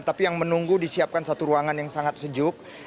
tapi yang menunggu disiapkan satu ruangan yang sangat sejuk